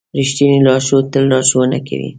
رښتینی لارښود تل لارښوونه کوي.